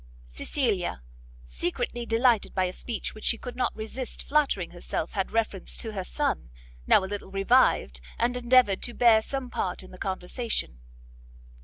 Cecilia, secretly delighted by a speech which she could not resist flattering herself had reference to her son, now a little revived, and endeavoured to bear some part in the conversation.